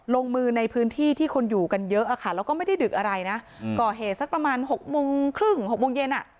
ลงมือในพื้นที่ที่คนอยู่กันเยอะแล้วก็ไม่ได้ดึกอะไรก่อเหตุสักประมาณ๗๓๐น